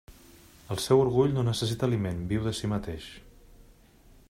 El seu orgull no necessita aliment; viu de si mateix.